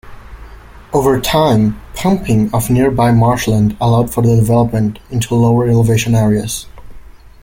Over time, pumping of nearby marshland allowed for development into lower elevation areas.